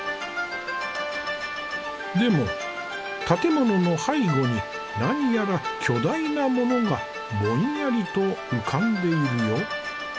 でも建物の背後に何やら巨大なものがぼんやりと浮かんでいるよ。